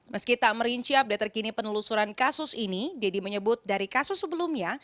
meski tak merinci update terkini penelusuran kasus ini deddy menyebut dari kasus sebelumnya